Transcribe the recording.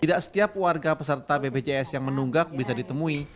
tidak setiap warga peserta bpjs yang menunggak bisa ditemui